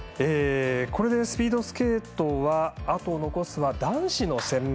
これで、スピードスケートはあと残すは男子の１０００ｍ。